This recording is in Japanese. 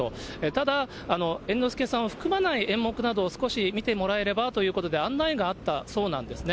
ただ、猿之助さんを含まない演目などを少し見てもらえればということで案内があったそうなんですね。